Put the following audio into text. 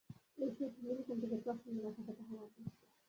এই সূত্রে নীলকণ্ঠকে প্রসন্ন রাখাটা তাহার অভ্যস্ত।